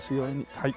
はい。